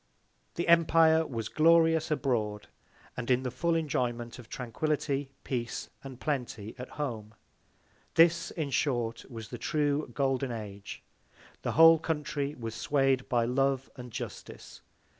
The Empire was glorious abroad, and in the full Enjoyment of Tranquility, Peace and Plenty, at home: This, in short, was the true golden Age. The whole Country was sway'd by Love and Justice.